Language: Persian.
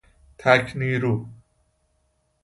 تک نیرو